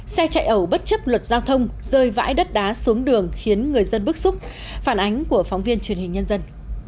xe chạy ẩu bất chấp luật giao thông rơi vãi đất đá xuống đường khiến người dân bức xúc phản ánh của phóng viên truyền hình nhân dân